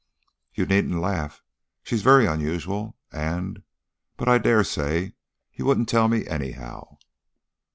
"You needn't laugh. She's very unusual and But I dare say you wouldn't tell me, anyhow."